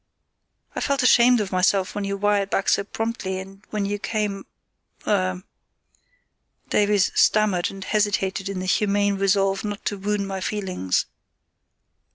I felt ashamed of myself when you wired back so promptly, and when you came—er——" Davies stammered and hesitated in the humane resolve not to wound my feelings.